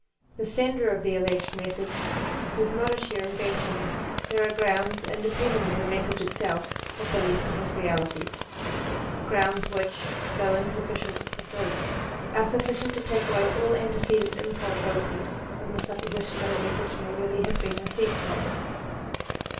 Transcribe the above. The sender of the alleged message is not a sheer invention ; there are grounds independent of the message itself for belief in his reality ; grounds which, though insufficient for proof, are sufficient to take away all antecedent improbability from the sup position that a message may really have been received from him.